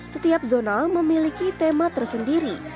setiap zona memiliki tema tersendiri